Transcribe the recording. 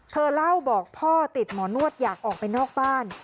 เธอเล่าบอกพ่อติดหมอนวดอยากออกไปนอกบ้าน